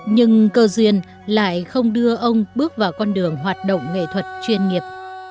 nhưng cơ duyên lại không đưa ông bước vào con đường hoạt động nghệ thuật chuyên nghiệp